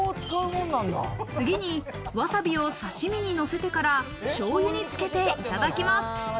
次に、わさびを刺し身にのせてから、しょうゆにつけていただきます。